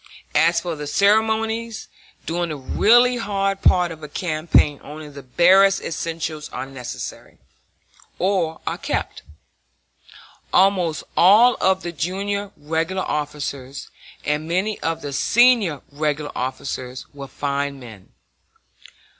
As for the ceremonies, during the really hard part of a campaign only the barest essentials are kept. Almost all of the junior regular officers, and many of the senior regular officers, were fine men.